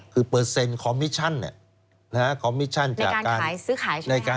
คือเปอร์เซ็นต์คอมมิชชั่นคอมมิชชั่นในการซื้อขายใช่ไหมครับ